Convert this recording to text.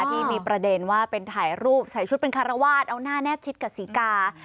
ที่มีประเด็นว่าเป็นถ่ายรูปใส่ชุดเป็นคารวาสเอาหน้าแนบชิดกับศรีกา